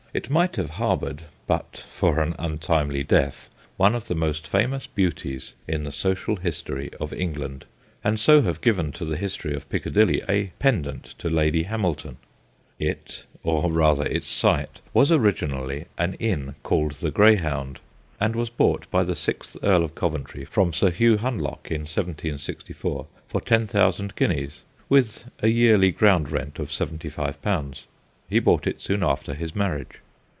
It might have harboured, but for an untimely death, one of the most famous beauties in the social history of England, and so have given to the history of Piccadilly a pendant to Lady Hamilton. It, or rather its site, was origin ally an inn called ' The Greyhound,' and was bought by the sixth Earl of Coventry from Sir Hugh Hunlock in 1764 for ten thousand guineas with a yearly ground rent of seventy five pounds. He bought it soon after his marriage.